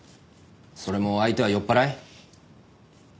それも相手は酔っ払い？